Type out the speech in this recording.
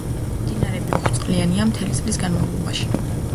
მდინარეები უხვწყლიანია მთელი წლის განმავლობაში.